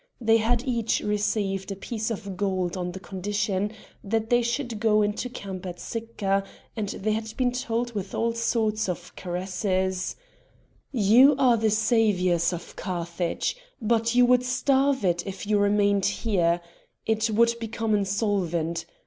They had each received a piece of gold on the condition that they should go into camp at Sicca, and they had been told with all sorts of caresses: "You are the saviours of Carthage! But you would starve it if you remained there; it would become insolvent.